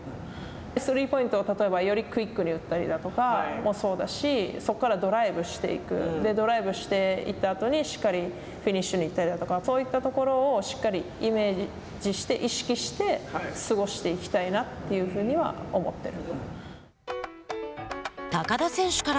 スリーポイントをよりクイックに打ったりもそうだし、そこからドライブしていくドライブしていったあとにしっかりフィニッシュに行ったりだとか、そういったところをしっかりイメージして、意識して、過ごしていきたいなというふうには思っている。